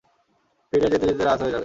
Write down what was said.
ফিরে যেতে যেতে রাত হয়ে যাবে।